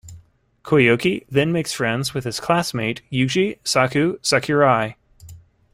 Koyuki then makes friends with his classmate Yuji "Saku" Sakurai.